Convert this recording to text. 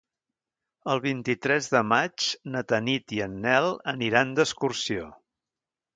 El vint-i-tres de maig na Tanit i en Nel aniran d'excursió.